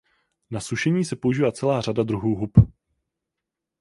Na sušení se používá celá řada druhů hub.